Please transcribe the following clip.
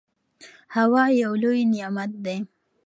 هوا یو لوی نعمت دی.